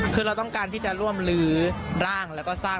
คือเราต้องการที่จะร่วมลื้อร่างแล้วก็สร้าง